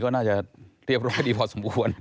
ก็น่าจะเรียบร้อยดีพอสมควร